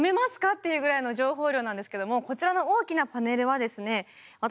っていうぐらいの情報量なんですけどもこちらの大きなパネルはですねうわ